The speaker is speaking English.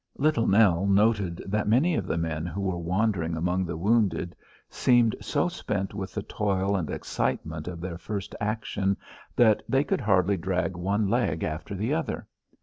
Little Nell noted that many of the men who were wandering among the wounded seemed so spent with the toil and excitement of their first action that they could hardly drag one leg after the other.